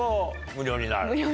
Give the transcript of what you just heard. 無料になる。